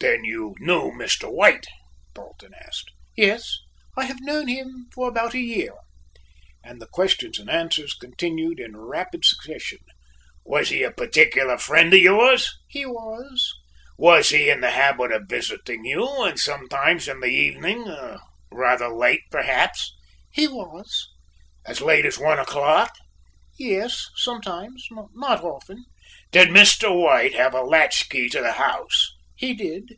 "Then you knew Mr. White," Dalton asked. "Yes, I have known him for about a year"; and the questions and answers continued in rapid succession: "Was he a particular friend of yours?" "He was." "Was he in the habit of visiting you and sometimes in the evening, rather late, perhaps?" "He was." "As late as one o'clock?" "Yes, sometimes, not often." "Did Mr. White have a latch key to the house?" "He did."